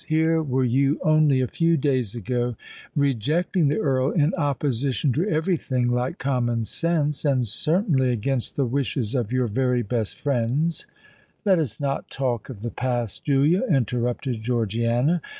Here were you only a few days ago rejecting the Earl in opposition to every thing like common sense—and certainly against the wishes of your very best friends——" "Let us not talk of the past, Julia," interrupted Georgiana.